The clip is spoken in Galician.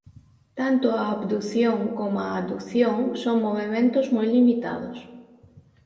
Tanto a abdución coma a adución son movementos moi limitados.